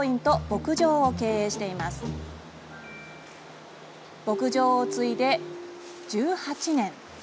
牧場を継いで１８年。